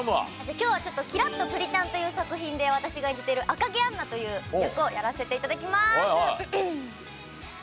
今日は『キラッとプリ☆チャン』という作品で私が演じている赤城あんなという役をやらせて頂きます。